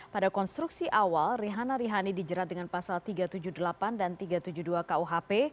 pada konstruksi awal rihana rihani dijerat dengan pasal tiga ratus tujuh puluh delapan dan tiga ratus tujuh puluh dua kuhp